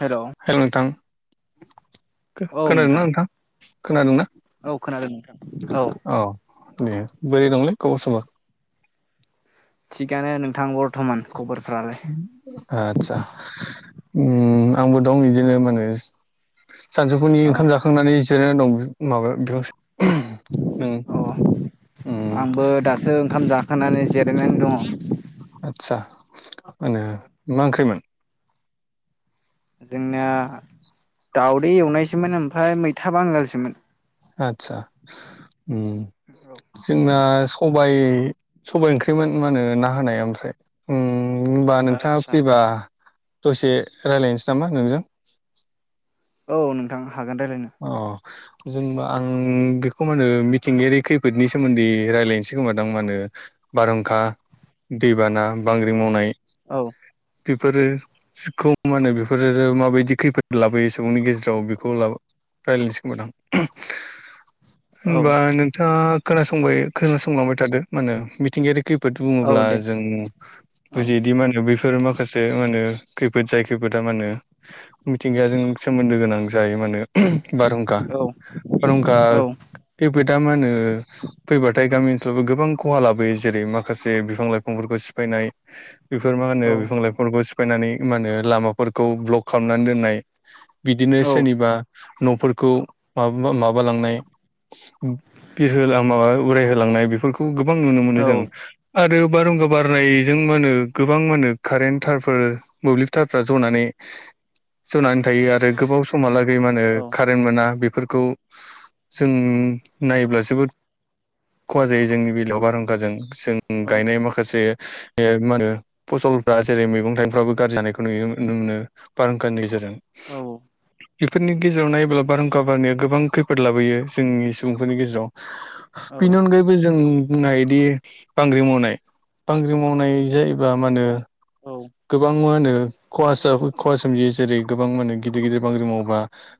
Hello hello नोंथां खोनादोंना नोंथां खोनादोंना? औ खोनादों नोंथां औ दे बोरै नदंलै खबर सबर? थिगानो नोंथां बरथमान। ओ आतसा ओ आंबो दं बिदिनो माने सानजौफुनि औ ओंखाम जाखांनानै जिरायनानै दं। माबा बेयाव अ' उम आंबो दासो ओंखाम जाखांनानै जेरायनान दङ। आदसा मा होनो मा ओंख्रिमोन? जोंना दावदै एवनायसोमोन ओमफ्राय मैथा बांगालसोमोन। आदसा उ औ जोंना सबायाइ सबाय ओंख्रिमोन मा होनो ना हाय ओमफ्राय उ होनबा नोंथाङा आतसा फैबा दसे रायजलायनोसै नामा नोंजों? औ नोंथां हागोन रायलायनो। जेनबा आं बेखौ मा नो मिथिंगायारि खैफोदनि सोमोन्दै रायलायनोसै खोमा दां मा नो बारहुंखा दैबाना बांग्रि मावनाय औ बेफोरोखौ मा होनो बेफोरो माबायदि खैफोद लाबोयो सुबुंनि गेजेराव बेखौ ला रायज्लायनोसै खोमा नोंथां ओम औ होनबा नोंथाङा खोनासंबाय खोनासंलांबाय थादों माने मिथिंगायारि खैफोद औ बुङोब्ला दे जों औ बुजियोदि मा होनो बेफोर माखासे मा होनो खैफोद जाय खैफोदा माहोनो मिथिंगाजों सोमोन्दो गोनां जायो माने- बारहुंखा औ बारहुंखा औ खैफोदा मा होनो फैबाथाय गामि गोबां खहा लाबोयो जेरै माखासे बिफां लाइफांफोरखौ सिफायनाय बेफोर मा होनो बिफां लाइफफोरखौ सिफायनानै मा होनो लामाफोरखौ ब्ल'क खालामनानै दोननाय बिदिनो औ सोरनिबा न'फोरखौ मा माबालांनाय। ब बिरहोलां माबा उरायहोलांनाय बेफोरखौ गोबां नुनो मोनो औ जों आरो बारहुखा बारनायजों मा होनो गोबां मा होनो कारेन्ट थारफोर मोब्लिब थारफ्रा जनानै जनानै थायो आरो गोबाव समहालागै मा नो औ खारेन्ट मोना बे फोरखौ जों नायोब्ला जोबोद खहा जायो जोंनि बेलायाव बारहुंखाजों जों गायनाय माखासे बे मा होनो फसलफ्रा जेरै मैगं थाइगंफ्राबो गाज्रि जानायखौ नुयो नुनो मोनो बारहुंखानि गेजेरजों। औ बेफोरनि गेजेराव नायोब्ला बारहुंखा बारनाया गोबां खैफोद लाबोयो जोंनि सुबुंफोरनि गेजेराव। औ बेनि अनगायैबो जों बुंनो हायोदि बांग्रिं मावनाय बांग्रि मावनाय जायोबा मा होनो गोबां मा होनो खहा जाबोयो खहा सोमजियो जेरै गोबां माने गिदिर गिदिर बांग्रि माव ग्लुंबा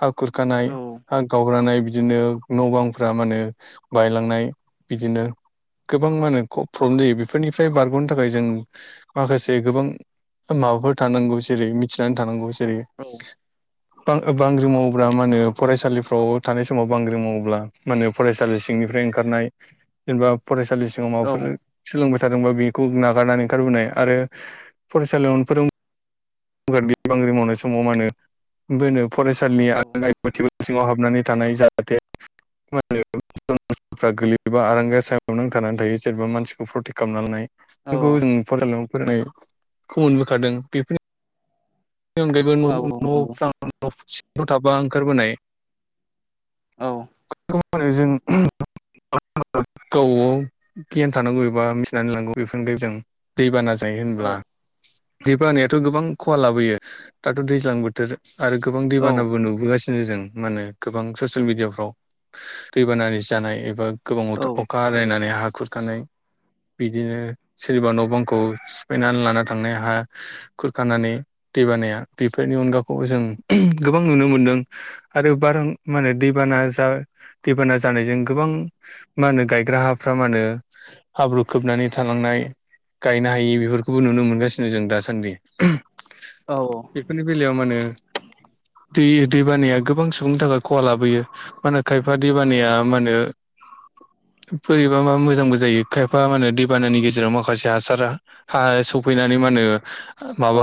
हा खुरखानाय औ हा गावब्रानाय बिदि बिदिनो न' बांफ्रा माने बायलांनाय बिदिनो गोबां मा होनो क फ्रब्लेम जायो। बेफोरनिफ्राय बारग'नो थाखाय जों माखासे गोबां माबाफोर थानांगौ जेरै मिथिनानै थानांगौ जेरै बां-बांग्रि मावोब्ला मा होनो फरायसालिफ्राव थानाय समाव बांग्रिं मावोब्ला मा होनो फरायसालि सिंनिफ्राय ओंखारनाय जेनबा फरायसालि सिंङाव माबाफोर सोलों जादोंबा बेखौ नागारनानै ओंखारबोनाय आरो फरायसालियाव फोरोंबाय थानायाव बांग्रि मावनाय समाव मानो होनो बेनो फरायसालिनि [unintelligible] सिङाव हाबनानै थानाय जाहाथे मा होनो बिल्डिंफ्रा गोलैयोबा आरांगा सायावनो नांथानानै थायो सोरबा मानसिखौ प्रटेक्ट खालामनानानै लानाय बेफोरखौ जों फरायसालियाव फरायनायखौ मोनबोखादों बेफोर बेनि अनगायैबो न- न'फ्राव सिंआव थाबा ओंखारबोनाय। औ मा होनो जों [unintelligible] गावबाव गियान थानांगौ एबा मिथिनानै लांनागौ बेफोरनि जों दैबाना नाय औ होनब्ला दै बानायाथ गोबां खहा लाबोयो दाथ दैज्लां बोथोर आरो गोबां औ औ दैबानाबो नुबोगासिनो बिदिनो जों मा होनो गोबां ससियेल मिडियाफ्राव दैबानानि जानाय एबा गोबां औ अखा हानानै हा खुरखानाय बिदिनो सोरनिबा न' बांखौ सिफायनानै लाना थांनाय हा खुरखानानै दै बानाया बेफोरनि अनगाखौ जों गोबां नुनो मोनदों आरो बार माने दैबा दैबाना जा दैबाना जानायजों गोबां मा होनो गायग्रा हाफ्रा मा होनो हाब्रु बुखोबनानै थालांनाय गायनो हायि बेफोरखौबो नुनो मोनगासिनो जों दासान्दि बेफोरनि बेलायाव मानो दै दैबानाया गोबां सुबुंनि थाखाय खहा लाबोयो मानो खायफा दै औ बानाया मा होनो बोरैबा बा मोजांबो जायो खायफा मा होनो दैबानानि गेजेराव माखासे हासार हा सौफै जानानै मा होनो माबा औ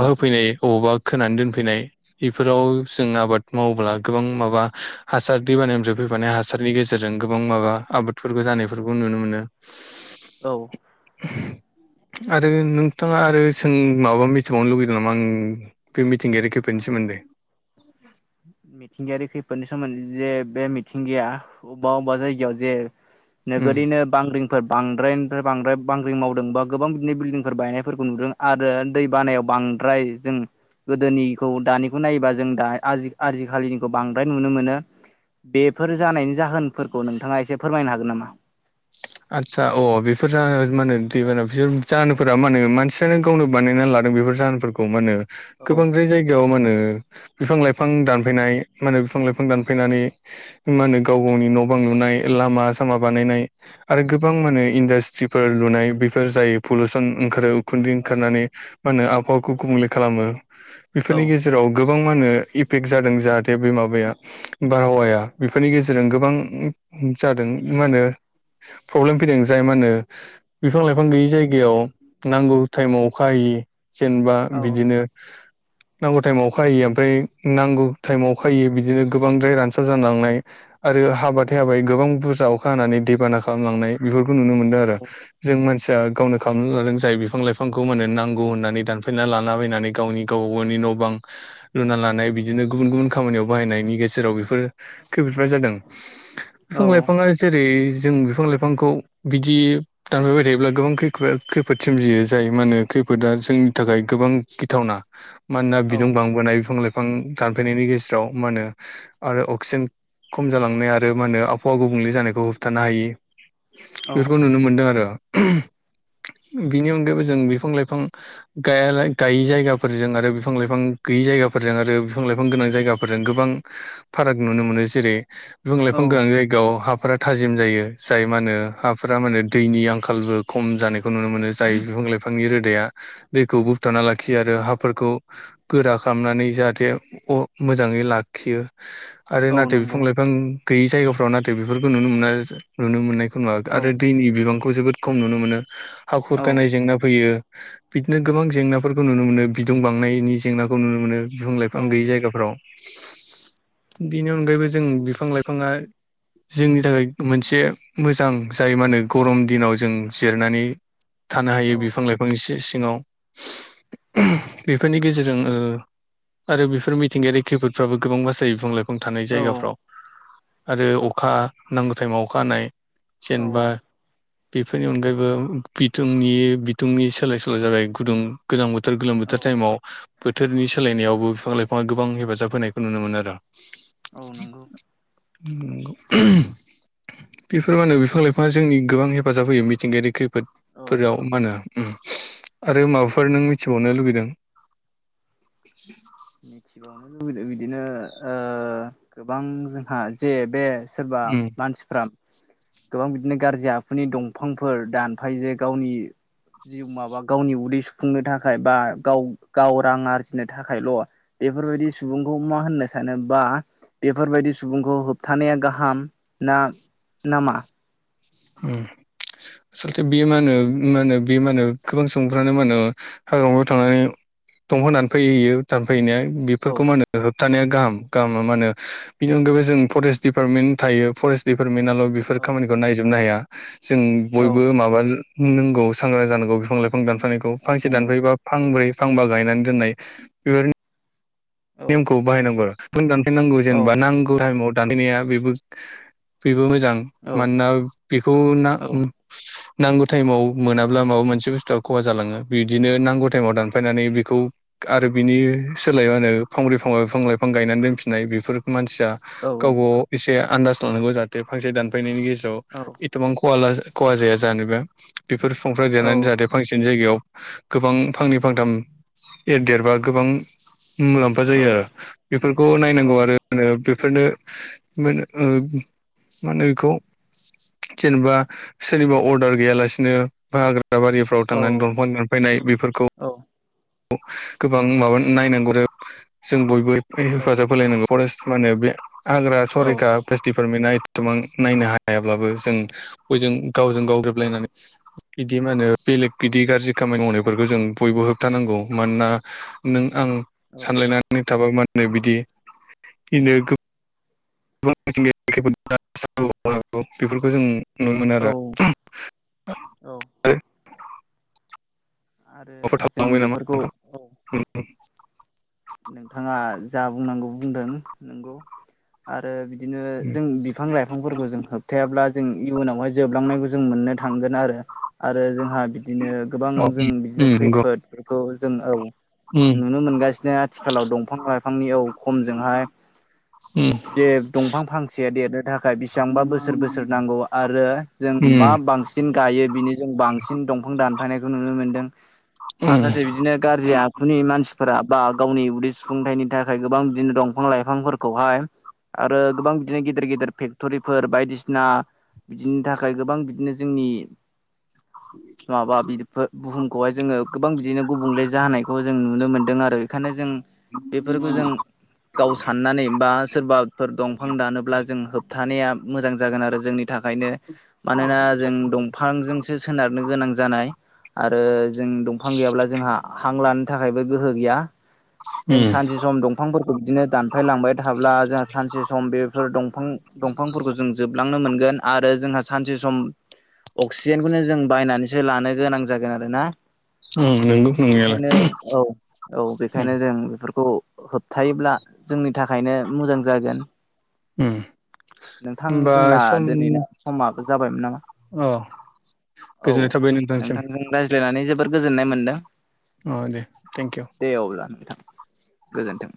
बबावबा खोनानै दोनफैनाय बेफोराव जों आबाद मावोब्ला गोबां माबा हासार बे निफ्राय फैफानाय हासारनि गेजेरजों गोबां माबा आबादफोरखौ जानायफोरखौ नुनो मोनो औ आरो नोंथाङा आरो सों माबा मिथिबावनो लुगै लानांगौ बे मिथिंगायारि खैफोदनि सोमोन्दै मिथिंगायारि खैफोदनि सोमोन्दै जे बे मिथिंगाया अबेबा अबेबा जायगायाव जे उम नोगोरैनो बांग्रिं बांद्रायनिफ्राय बांद्राय बांग्रिं मावदों बा गोबां बिदिनो बिल्डिंफोर बायनायफोरखौ नुदों आरो दै बानायाव बांद्राय जों गोदोनिखौ दानिखौ नायोबा जों दा आजि आजिखालिनिखौ बांद्राय नुनो मोनो बेफोर जानायनि जाहोनफोरखौ नोंथाङा एसे फोरमायनो हागोन नामा आदसा अ बेफोर जा मानो दैबाना बिसोर जानोफोरा माने मानसिफ्रानो गावनो बानायना ला बेफोर जाहोनफोरखौ मा होनो औ गोबांद्राय जायगायाव मा होनो बिफां लाइफां दानफायनाय मा होनो बिफां लाइफां दानफनानै मा होनो गाव गावनि न' बां नुनाय लामा सामा बानायनाय आरो गोबां माने इन्डास्ट्रिफोर लुनाय बेफोर जायो पलुसन ओंखारो उखुन्दै औ ओंखारनानै मा होनो आबहावाखौ गुबुंले खालामो औ बेफोरनि गेजेराव गोबां मा होनो इफेक्ट जादों जाहाथे बे माबाया बारहावाया बेफोरनि गेजेरजों गोबां जादों मा होनो प्रब्लेम फैदों जाय मा होनो बिफां लाइफां गैयै जायगायाव नांगौ टाइमाव अखा हायि जेनबा औ बिदिनो नांगौ टाइमाव अखा हायैयो ओमफ्राय नांगौ टाइमाव अखा हायैयो बिदिनो गोबांद्राय रानस्राव जालांनाय आरो हाबाथाय हाबाय गोबां बुरजा अखा हानानै दैबाना खालामलांनाय बेफोरखौ नुनो मोनदों आरो औ जों मानसिया गावनो खालामनानै लादों जाय बिफां लाइफांखौ माने नांगौ बहननानै दानफायना लाना फैनानै गावनि गाव गावनि न' बां लुना लानाय बिदिनो गुबुन गुबुन खामानियाव बनायनि गेजेराव बेफोर खैफोदफोरा जादों बिफां लाइफांआ जेरै जों बिफां लाइफांखौ बिदि दानफायबाय थायोब्ला गोबां खैफोद सोमजियो जाय मा होनो खैफोदा जोंनि थाखाय गोबां गिथावना मानोना औ बिदुं बांबोनाय बिफां लाइफां दानफायनायनि गेजेराव मा होनो आरो अक्सिजेन खम जालांनाय आरो मा होनो आबहावा गुबुंले जानायखौ होबथानो हायो औ बेखौ नुनो मोनदों आरो बिनि अनगायैबो जों बिफां लाइफां गाया लाय गायै जायगाफोरजों आरो बिफां लाइफां गै गोयि जायगाफोरजों आरो फिफां लाइफां गोनां जायगाफोरजों गोबां फाराग नुनो मोनो जेरै बिफां औ लाइफां गो गोनां जायगायाव हाफोरा थाजिम जायो जाय मा होनो हाफोरा माने दैनि आंखालबो खम जानायखौ नुनो मोनो जाय बिफां लाइफांनि रोदाया दैखौ बोबथाना लाखियो आरो हाफोरखौ गोरा खामनानै जाहाथे अ मोजाङै लाखियो आरो औ नाथाय बिफां नंगौ लाइफां गैयै जायगाफ्राव नाथाय बेफोरखौ नुनो मोननाय नुनो मोननायखौ नुवा औ आरो दैनि बिबांखौ जोबोद खम नुनो मोनो। हा औ खुरखानाय जेंना फैयो। बिदिनो गोबां जेंनाफोरखौ नुनो मोनो बिदुं बांनायनि जेंनाखौ नुनो मोनो बिफां लाइफां औ गैयै जायगाफ्राव। बेनि अनगायैबो जों बिफां लाइफाङा जोंनि थाखाय मोनस से मोजां जाय मा होनो गरम दिनाव जों जिरायनानै थानो औ हायो बिफां लाइफांनि से सिङाव। [unintelligible] बेफोरनि गेजेरजों ओ आरो बेफोर मिथिंगायारि खैफोदफ्राबो गोबां बासायो बिफां लाइफां थानाय जायगाफ्राव। आरो अखा नांगौ टाइमाव अखा हानाय जेनबा औ बेफोरनि अनगायैबो बिथुंनि बिदुंनि सोलाय सोल' जाबाय गुदुं गोजां बो थोर गोलोम औ बोथोर टाइमाव। बोथोरनि सोलायनायावबो फिफां लाइफाङा गोबां हेफाजाब होनायखौ नुनो मोनो आरो औ नंगौ उम नंगौ [unintelligible] बेफोर मा होनो बिफां लाइफाङा जोंनि गोबां हेफाजाब होयो मिथिंगायारि औ खैफोदफोराव मा होनो उम। आरो माबाफोर नों मिथिबावनो लुुबैदों लुगैदों बिदिनो ओ गोबां जोंहा जे बे सोरबा उम मानसिफ्रा गोबां बिदिनो गारजि आखुनि दंफांफोर दानफायो जे गावनि जिउ माबा गावनि उदै सुफुंनो थाखाय बा गाव गाव रां आरजिनो थाखायल'। बेफोरबायदि सुबुंखौ मा होननो सानो बा बेफोरबायदि सुबुंखौ होबथानाया गाहाम। ना नामा? हो। आसलथे बेयो मा होनो मा होनो बे मा होनो गोबां सुबुंफ्रानो मा होनो हाग्रामायाव थांनानै दंफां दानफाय हैयो दानफायहेैनाया। औ बेफोरखौ मा होनो होबथानाया गाहाम। गाहामा मा होनो बिनि औ अनगायैबो जों फरेस्ट दिडिपार्टमेन्ट थायो फरेस्ट दिडिपार्टमेन्टआल' बेफोर औ खामानिखौ नायजोबनो हाया। जों औ बयबो माबा नोंगौ सांग्रां जानांगौ बिफां लाइ फां दानफायनायखौ औ फांसे नंगौ दानफायोबा फांब्रै फांबा गायनानै दोननाय। [unintelligible] औ नेमखौ बाहायनांगौ आरो दंफां दानफायनांगौ औ जेनेबा नांगौ टाइमाव दानफायनाया बेबो बेबो मोजां। मानोना बेखौ ना औ ओम नांगौ टाइमाव मोनाब्ला माबा मोनसे बुस्थुआ खहा जालाङो। बिदिनो नांगौ टाइमाव दानफायनानै बेखौ आरो बिनि सोलाय मा होनो फांब्रै फांबा बिफां लाइफां गायनानै दोनफिनाय बेफोर मानसिया औ औ गावबाव एसे आन्दाज लानांगौ जाहाथे फांसे दानफायनायनि गेजेराव औ एथबां खहा ला खहा जाया जानोबा बेफोर फिफांफ्रा देरनानै जाहाथे फांसेनि जायगायाव गोबां फांनै फांथाम ए देरबा गोबां मो [unintelligible] जायो औ आरो बेफोरखौ औ नायनांगौ आरो [unintelligible] फोरनो मा ओनो ओ मा होनो बेखौ जेनेबा सोरनिबा अर्डार गैयालासिनो बा हा ग्रा बारिफोराव औ थांनानै दंफां दानफायनाय बेफोरखौ गोबां माबा नायनांगौ आरो जों बयबो हेफाजाब होलायनांगौ। फरेस्ट मानो बे हाग्रा औ सरैखा फेस्टिभेल [unintelligible] गोबां नायनो हायाब्लाबो जों बयजों गावजों गाव औ गोरोबलायनानै बिदि मा होनो बेलेग बिदि गाज्रि खामानि मावनायफोरखौ जों बयबो होबथानांगौ। मानोना नों आं सानलायनानै थाबाय मानो बिदि [unintelligible] [unintelligible] बेफोरखौ जों नुनो मोनो आरो औ। [unintelligible] आरो जों बेफोरखौ औ [unintelligible] नोंथाङा जा बुंनांगौ बुंदों नंगौ आरो बि दिनो जों बिफां लाइफांफोरखौ जों होबथायाब्ला जों इयुनावहाय जोबलांनायखौ जों मोननो थांगोन आरो आरो जोंहा बिदिनो गोबां औ जों बिदिनो उम नंगौ खैफोदफोरखौ जों औ उम नुनो मोनगा आथिखालाव दफां लाइफांनि औ खमजोंहाय उम जे दंफां फांसे ए दे दो दां थाखाय बेसेबांबा बोसोर बोसोर नांगौ आरो जों मा उम बांसिन गायो बिनि जों बांसिन दं दंफां दानफायनायखौ नुनो मोनदों उम माखासे बिदिनो गाज्रि आखुनि मानसिफोरा बा गावनि उदै सुफुंथाइनि थाखाय गोबां बिदिनो दंफां लाइफांफोरखौहाय आरो गोबां बिदिनो गेदेर गेदेर फेक्टरिफोर बायदिसिना बिदिनि थाखाय गोबां बिदिनो जोंनि माबा बेफोर बुहुमखौहाय जोङो गोबां बिदिनो गुबुंले जाहोनायखौ जों नुनो मोन्दों आरो बेखायनो जों बेफोरखौ जों गाव साननानै बा सोरबाफोर दंफां दानोब्ला जों होबथानाया मोजां जागोन आरो जोंनि थाखायनो मानोना जों दंफांजोंसो सोनारनो गोनां जानाय आरो जों दंफां गैयाब्ला जोंहा हां लानो थाखायबो गोहो गैया। [inaudible] जों सानसे सम दंफांफोरखौ बिदिनो दानफायलांबाय थाब्ला जों सानसे सम बेफोर दंफां दंफां दफांफोरखौ जों जोबलांनो मोनगोन आरो जोंहा सानसे सम अक्सिजेनखौनो जों बायनानैसो लानो गोनां जागोन आरो ना उम नंगौ नंनायालाय बेखायनो औ औ बे उम खायनो जों बेफोरखौ होबथायोबब्ला जोंनि थाखायनो मोजां जागोन। उम नोंथां होमबा जोंना सम दिनैना समाबो जाबायमोन नामा? अ औ गोजोननाय थाबाय नोंथांसिम नोंथांजों रायज्लायनानै जोबोद गोजोननाय मोनदों। औ दे थेंक इउ। दे अब्ला नोंथां गोजोन्थों।